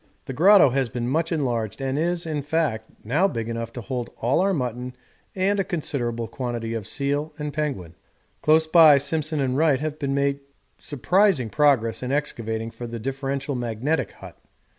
The grotto has been much enlarged and is, in fact, now big enough to hold all our mutton and a considerable quantity of seal and penguin. Close by Simpson and Wright have made surprising progress in excavating for the differential magnetic hut.